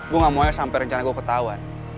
gue gak mau aja sampe rencana gue ketauan